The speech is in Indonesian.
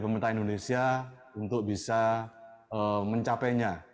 pemerintah indonesia untuk bisa mencapainya